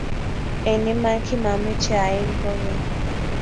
Eng Iman kimameche aim kogeny